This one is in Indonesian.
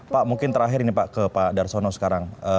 pak mungkin terakhir ini pak ke pak darsono sekarang